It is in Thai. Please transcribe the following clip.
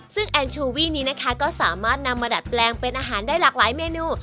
ซึ่งแอนชูวี่นี้นะคะก็สามารถนำมาดัดแปลงเป็นอาหารได้หลากหลายเมนู